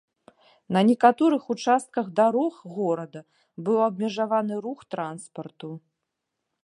На некаторых участках дарог горада быў абмежаваны рух транспарту.